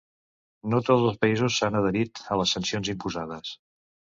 No tots els països s'han adherit a les sancions imposades.